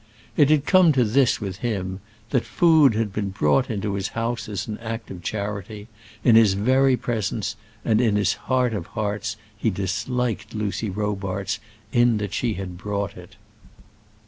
It had come to this with him, that food had been brought into his house, as an act of charity, in his very presence, and in his heart of hearts he disliked Lucy Robarts in that she had brought it.